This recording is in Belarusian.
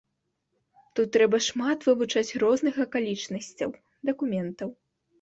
Тут трэба шмат вывучаць розных акалічнасцяў, дакументаў.